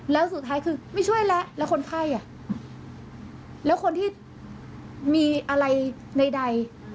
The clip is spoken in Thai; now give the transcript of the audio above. แล้วสุดท้ายคือไม่ช่วยแล้วแล้วคนไข้อ่ะแล้วคนที่มีอะไรใด